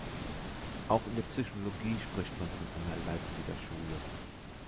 Auch in der Psychologie spricht man von einer "Leipziger Schule".